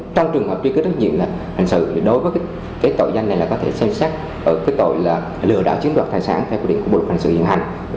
trong trường hợp truy cướp thách nhiệm hành sự thì đối với cái tội danh này là có thể xem xét cái tội là lừa đảo chiến đoạt thải sản theo quy định của bộ lực hành sự hiện hành